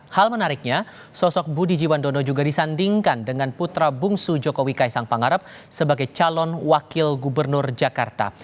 hal menariknya sosok budi jiwandono juga disandingkan dengan putra bungsu jokowi kaisang pangarap sebagai calon wakil gubernur jakarta